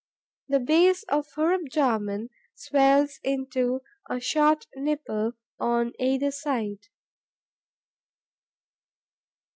The base of her abdomen swells into a short nipple on either side.